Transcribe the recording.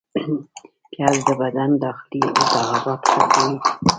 پیاز د بدن داخلي التهابات ختموي